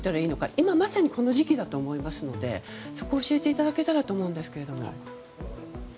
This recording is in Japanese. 今まさにこの時期だと思いますのでそこを教えていただけたらと思います。